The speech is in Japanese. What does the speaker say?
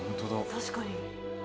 確かに。